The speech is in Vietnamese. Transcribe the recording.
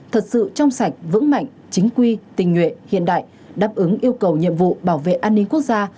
thật sự trong sạch vững mạnh chính quy tình nguyện hiện đại đáp ứng yêu cầu nhiệm vụ bảo vệ an ninh quốc gia